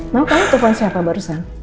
mau kaya telfon siapa barusan